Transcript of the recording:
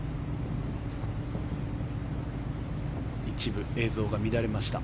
一部、映像が乱れました。